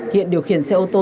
hiện điều khiển xe ô tô